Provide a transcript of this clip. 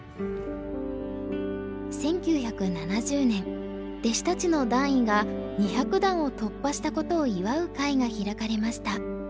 １９７０年弟子たちの段位が２００段を突破したことを祝う会が開かれました。